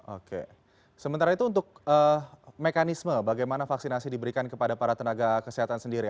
oke sementara itu untuk mekanisme bagaimana vaksinasi diberikan kepada para tenaga kesehatan sendiri